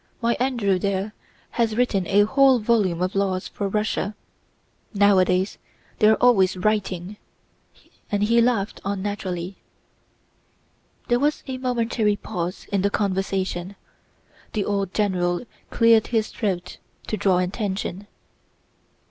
My Andrew there has written a whole volume of laws for Russia. Nowadays they are always writing!" and he laughed unnaturally. There was a momentary pause in the conversation; the old general cleared his throat to draw attention.